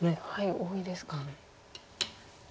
多いですか。